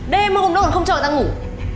đêm hôm đó còn không chờ ra ngủ